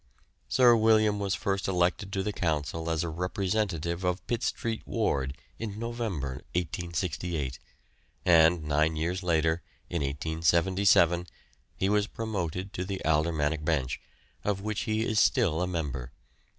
Sir William was first elected to the Council as a representative of Pitt Street Ward in November, 1868, and nine years later, in 1877, he was promoted to the aldermanic bench, of which he is still a member.